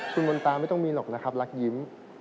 คุณมนตาไม่ต้องมีหรอกนะครับรักยิ้ม